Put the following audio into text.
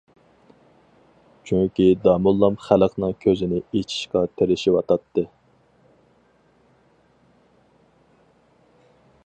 چۈنكى داموللام خەلقنىڭ كۆزىنى ئېچىشقا تىرىشىۋاتاتتى.